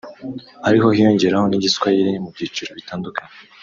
ariko hiyongeraho n’Igiswahili mu byiciro bitandukanye